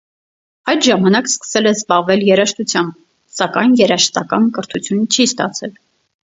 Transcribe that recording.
Այդ ժամանակ սկսել է զբաղվել երաժշտությամբ, սակայն երաժշտական կրթություն չի ստացել։